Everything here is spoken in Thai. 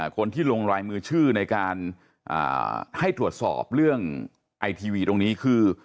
คนที่ลงรายมือชื่อในการให้ตรวจสอบเรื่องไอทีวีตรงนี้คือ